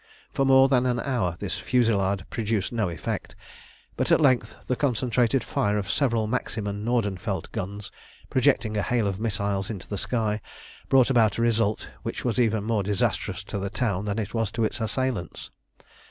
For more than an hour this fusilade produced no effect; but at length the concentrated fire of several Maxim and Nordenfelt guns, projecting a hail of missiles into the sky, brought about a result which was even more disastrous to the town than it was to its assailants.